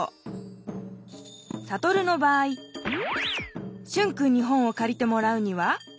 サトルの場合シュンくんに本をかりてもらうには？